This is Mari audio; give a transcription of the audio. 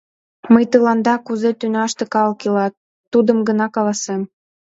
Мый тыланда, кузе тӱняште калык ила, тудым гына каласем.